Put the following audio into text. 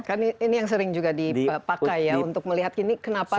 kan ini yang sering juga dipakai ya untuk melihat ini kenapa